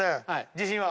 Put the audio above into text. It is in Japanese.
自信は？